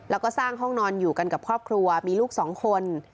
แล้วก็สร้างห้องนอนอยู่กันกับครอบครัวมีลูกสองคน